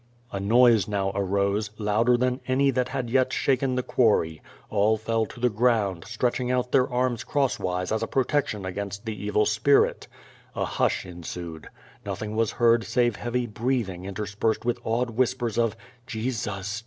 '* A noise now arose, louder than any that had yet shaken the quarry. All fell to the ground, stretching out their arms crosswise as a protection against the evil spirit. A hush ensued. Nothing was heard save heavy breathing inter spersed with awed whispers of "Jesus!